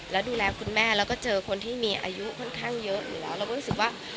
แล้วดูแลคุณแม่แล้วก็เจอคนที่มีอายุค่อนข้างเยอะอยู่แล้ว